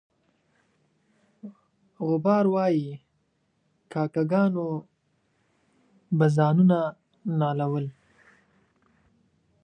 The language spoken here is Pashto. غبار وایي کاکه ګانو به ځانونه نالول.